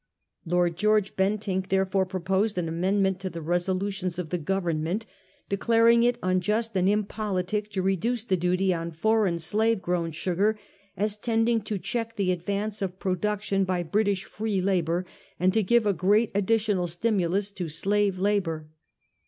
Lord George Bentinck therefore proposed an amendment to the resolutions of the Government, declaring it unjust and impolitic to reduce the duty on foreign slave grown sugar, as tending to check the advance of production by British free labour, and to give a great additional stimulus to slave labour.